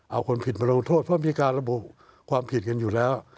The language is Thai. เอาคนผิดมาลงโทษเพราะมีการระบุความผิดกันอยู่แล้ว